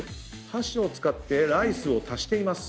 箸を使ってライスを足しています。